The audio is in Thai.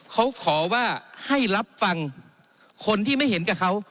เขาขอว่าให้รับฟังคนที่ไม่เห็นกับเขา